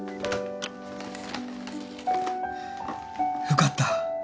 受かった。